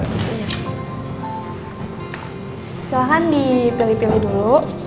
silahkan dipilih pilih dulu